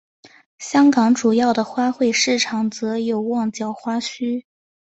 香港主要的花卉市场则有旺角花墟。